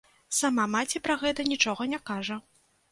Сама маці пра гэта нічога не кажа.